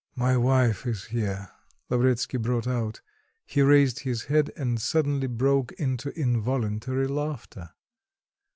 "My wife is here," Lavretsky brought out. He raised his head and suddenly broke into involuntary laughter.